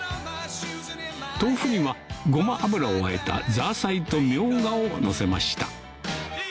豆腐にはごま油をあえたザーサイとみょうがをのせました